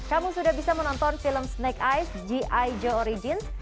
kamu sudah bisa menonton film snake eyes g i joe origins